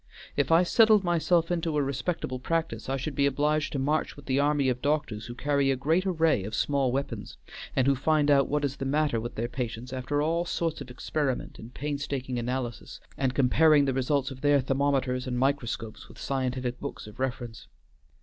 "If I settled myself into a respectable practice I should be obliged to march with the army of doctors who carry a great array of small weapons, and who find out what is the matter with their patients after all sorts of experiment and painstaking analysis, and comparing the results of their thermometers and microscopes with scientific books of reference.